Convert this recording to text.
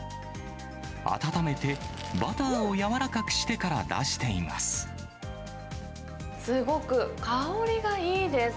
温めてバターを柔らかくしてから出しています。